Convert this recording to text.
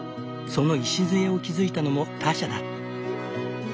その礎を築いたのもターシャだ。